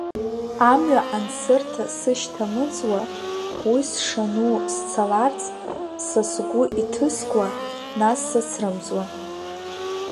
Амҩа ансырҭа сышьҭа мыӡуа, уи сшану сцаларц, са сгәы иҭыскуа нас сацрымҵуа…